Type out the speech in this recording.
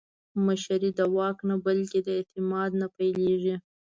مشري د واک نه، بلکې د اعتماد نه پیلېږي